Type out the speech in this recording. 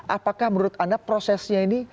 apakah menurut anda prosesnya ini